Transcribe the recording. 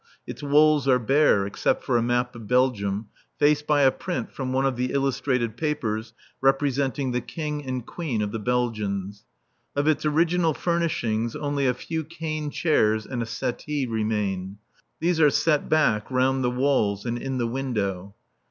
Its walls are bare except for a map of Belgium, faced by a print from one of the illustrated papers representing the King and Queen of the Belgians. Of its original furnishings only a few cane chairs and a settee remain. These are set back round the walls and in the window.